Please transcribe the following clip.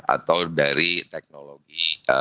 atau dari teknologi